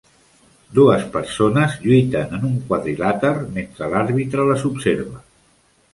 Dues persones lluiten en un quadrilàter mentre l'àrbitre les observa.